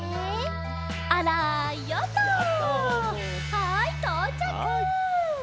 はいとうちゃく！